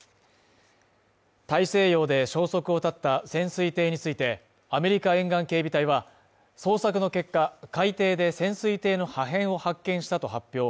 大西洋で消息を絶った潜水艇について、アメリカ沿岸警備隊は、捜索の結果、海底で潜水艇の破片を発見したと発表。